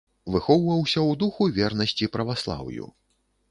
Выхоўваўся ў духу вернасці праваслаўю.